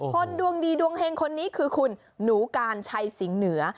คนดวงดีดวงเฮงคนนี้คือคุณหนูการชัยสิงห์เหนือ